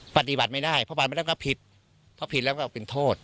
ปฏิบัติไม่ได้เพราะบาทมันก็ผิดพอผิดแล้วก็เป็นโทษ